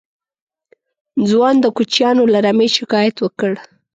ځوان د کوچيانو له رمې شکايت وکړ.